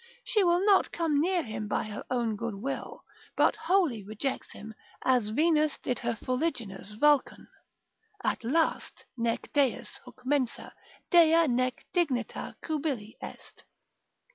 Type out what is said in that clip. she will not come near him by her own good will, but wholly rejects him, as Venus did her fuliginous Vulcan, at last, Nec Deus hunc mensa, Dea nec dignata cubili est.